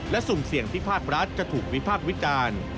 และสุ่มเสี่ยงที่ภาครัฐจะถูกวิพากษ์วิจารณ์